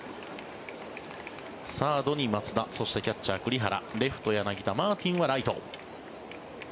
サードに松田そしてキャッチャー、栗原レフト、柳田マーティンはライト。